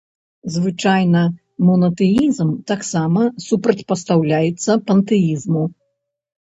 Звычайна монатэізм таксама супрацьпастаўляецца пантэізму.